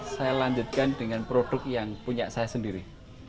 saya lanjutkan dengan produk yang punya saya sendiri